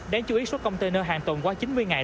đáng chú ý số container hàng tồn qua chín mươi ngày